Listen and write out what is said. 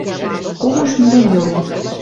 Кого шӱм дон йылен